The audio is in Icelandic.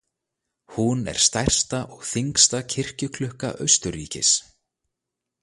Hún er stærsta og þyngsta kirkjuklukka Austurríkis.